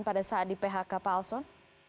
pada saat di phk pak alson